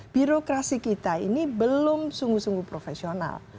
birokrasi kita ini belum sungguh sungguh profesional